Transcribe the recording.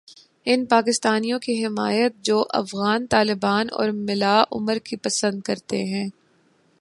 ان پاکستانیوں کی حمایت جوافغان طالبان اور ملا عمر کو پسند کرتے ہیں۔